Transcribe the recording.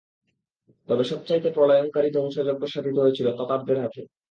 তবে সবচাইতে প্রলয়ঙ্করী ধ্বংসযজ্ঞ সাধিত হয়েছিল তাতারদের হাতে।